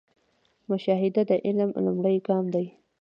مشاهده د علم لومړی ګام دی